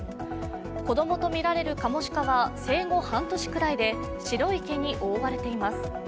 子供とみられるカモシカは生後半年ぐらいで白い毛に覆われています。